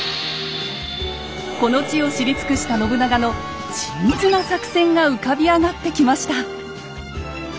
この地を知り尽くした信長の緻密な作戦が浮かび上がってきました。